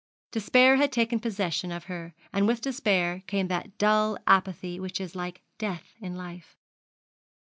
Despair had taken possession of her, and with despair came that dull apathy which is like death in life.